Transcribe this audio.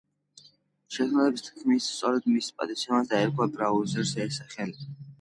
შემქმნელების თქმით სწორედ მის პატივსაცემად დაერქვა ბრაუზერს ეს სახელი.